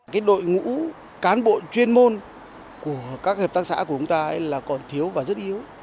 cái đội ngũ cán bộ chuyên môn của các hợp tác xã của chúng ta là còn thiếu và rất yếu